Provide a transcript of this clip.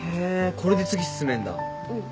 これで次進めんだ。